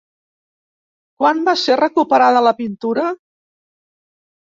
Quan va ser recuperada la pintura?